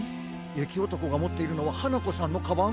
ゆきおとこがもっているのははなこさんのカバン！？